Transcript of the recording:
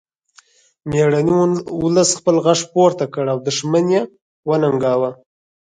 میړني ولس خپل غږ پورته کړ او دښمن یې وننګاوه